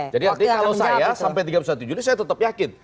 jadi kalau saya sampai tiga puluh satu juli saya tetap yakin